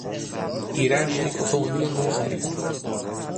ایرج یک اتومبیل نو خرید.